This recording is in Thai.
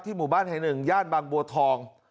หมู่บ้านแห่งหนึ่งย่านบางบัวทอง